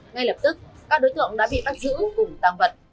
ngay lập tức các đối tượng đã bị bắt giữ cùng tăng vật